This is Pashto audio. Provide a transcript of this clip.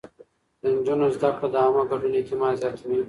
د نجونو زده کړه د عامه ګډون اعتماد زياتوي.